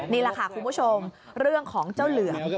นี่แหละค่ะคุณผู้ชมเรื่องของเจ้าเหลือง